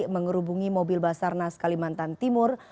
mengerubungi mobil basarnas kalimantan timur